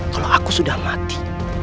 kalau aku sudah mati